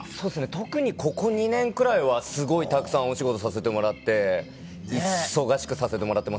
特にここ２年くらいはすごいたくさんお仕事させてもらって忙しくさせてもらってますね。